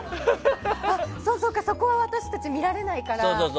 そっか、そこ私たち見られないから。